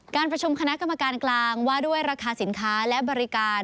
การประชุมคณะกรรมการกลางว่าด้วยราคาสินค้าและบริการ